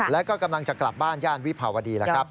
แล้วก็กำลังจะกลับบ้านย่านวิภาวดีแล้วครับ